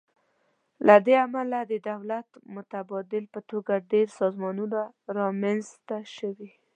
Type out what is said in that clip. د دې له امله د دولت متبادل په توګه ډیر سازمانونه رامینځ ته شوي.